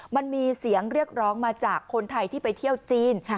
มันมีเสียงเรียกร้องมาจากคนไทยที่ไปเที่ยวจีน